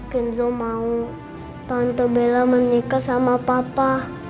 kenzo mau tante bela menikah sama papa